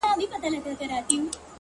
دننه ښه دی’ روح يې پر ميدان ښه دی’